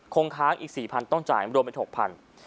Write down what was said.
คงค้างอีก๔๐๐๐บาทต้องจ่ายมารวมเป็น๖๐๐๐บาท